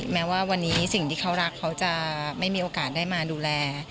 แม้ว่าวันนี้สิ่งที่เขารักเขาจะไม่มีโอกาสได้มาดูแล